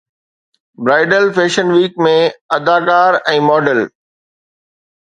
bridal fashion week ۾ اداڪار ۽ model